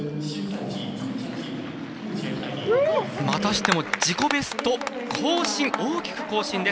またしても自己ベスト更新！